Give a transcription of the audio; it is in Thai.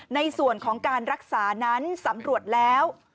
ในส่วนของการรักษานั้นสำรวจแล้ว